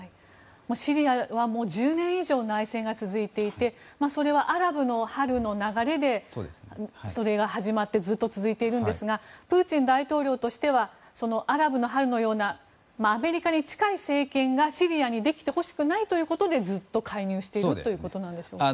シリアは１０年以上内戦が続いていてそれはアラブの春の流れで始まりずっと続いているんですがプーチン大統領としてはそのアラブの春のようなアメリカに近い政権が、シリアにできてほしくないということでずっと介入しているということなんでしょうか。